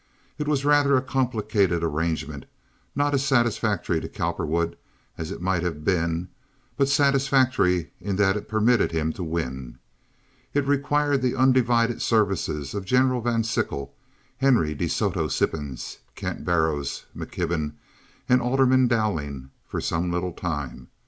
It was rather a complicated arrangement, not as satisfactory to Cowperwood as it might have been, but satisfactory in that it permitted him to win. It required the undivided services of General Van Sickle, Henry De Soto Sippens, Kent Barrows McKibben, and Alderman Dowling for some little time.